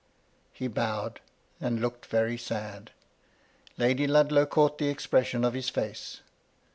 He bowed, and looked veiy sad. Lady Ludlow caught the expression of his face.